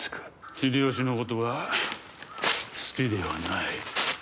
秀吉のことは好きではない。